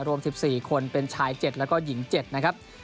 รวม๑๔คนเป็นชาย๗แล้วก็หญิง๗นะครับ